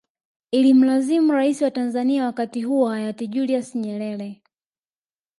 Ilimlazimu rais wa Tanzanzia wakati huo hayati Julius Nyerere